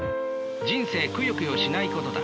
人生くよくよしないことだ。